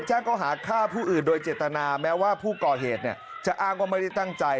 ก่อหาฆ่าผู้อื่นโดยเจตนาแม้ว่าผู้ก่อเหตุจะอ้างว่าไม่ได้ตั้งใจ